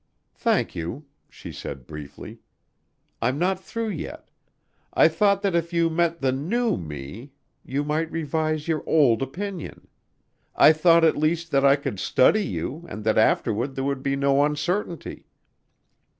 "Thank you," she said briefly. "I'm not through yet.... I thought that if you met the new me ... you might revise your old opinion.... I thought at least that I could study you and that afterward there would be no uncertainty....